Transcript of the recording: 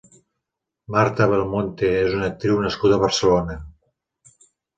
Marta Belmonte és una actriu nascuda a Barcelona.